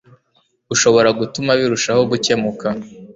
ushobora gutuma birushaho gukemuka